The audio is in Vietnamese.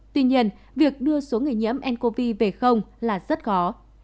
tuy nhiên việc đưa số người nhiễm ncov về không là rất khó